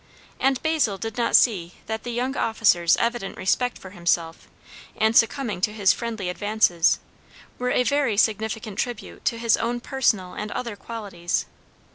And Basil did not see that the young officer's evident respect for himself, and succumbing to his friendly advances, were a very significant tribute to his own personal and other qualities.